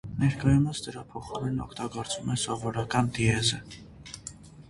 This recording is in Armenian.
Ներկայումս դրա փոխարեն օգտագործվում է սովորական դիեզը։